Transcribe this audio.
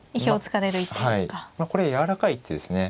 これやわらかい一手ですね。